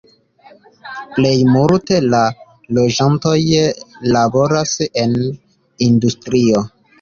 Plej multe da loĝantoj laboras en industrio.